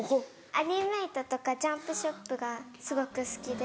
アニメイトとかジャンプショップがすごく好きで。